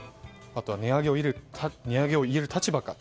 あとは値上げを言える立場か。